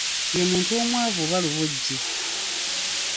Ye muntu omwavu oba luboje.